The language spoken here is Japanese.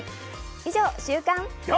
以上、週刊。